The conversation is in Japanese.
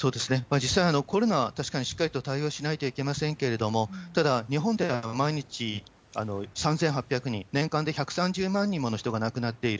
実際、コロナは確かにしっかりと対応しないといけませんけれども、ただ、日本では毎日３８００人、年間で１３０万人もの人が亡くなっている。